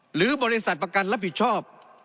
หรือบริษัทประกันรับผิดชอบ